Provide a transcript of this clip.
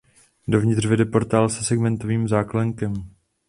Dovnitř vede portál se segmentovým záklenkem.